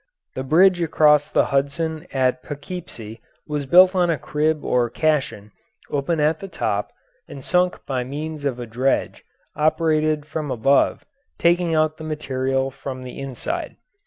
The bridge across the Hudson at Poughkeepsie was built on a crib or caisson open at the top and sunk by means of a dredge operated from above taking out the material from the inside.